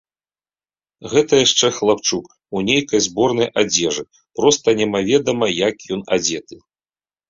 Гэта яшчэ хлапчук, у нейкай зборнай адзежы, проста немаведама як ён адзеты.